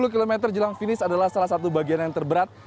sepuluh km jelang finish adalah salah satu bagian yang terberat